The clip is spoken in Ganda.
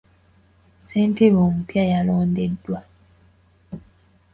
Ssentebe omupya yalondeddwa.